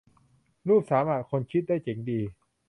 รูปสามอะ คนคิดได้เจ๋งดี